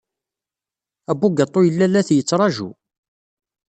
Abugaṭu yella la t-yettṛaju.